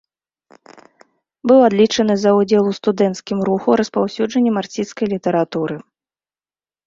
Быў адлічаны за ўдзел у студэнцкім руху, распаўсюджанне марксісцкай літаратуры.